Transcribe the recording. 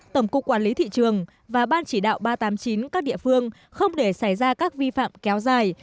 tổng cục quản lý thị trường và ban chỉ đạo ba trăm tám mươi chín các địa phương không để xảy ra các vi phạm kéo dài